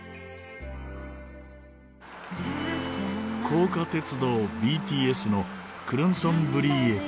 高架鉄道ＢＴＳのクルントンブリー駅。